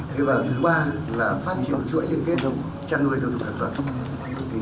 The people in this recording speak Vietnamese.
thứ ba là phát triển chuỗi liên kết chăn nuôi theo thủng thật vật